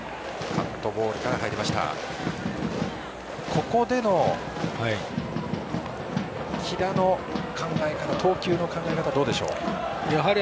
ここでの木田の投球の考え方はどうでしょうか。